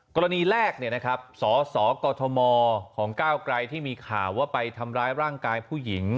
กรณีแรกสสกมของก้าวไกรที่มีข่าวว่าไปทำร้ายร่างกายผู้หญิง